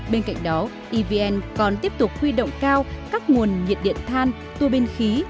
bên cạnh đó evn còn tiếp tục huy động cao các nguồn nhiệt điện than tuô binh khí